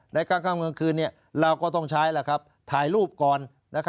กลางค่ำกลางคืนเราก็ต้องใช้ถ่ายรูปก่อน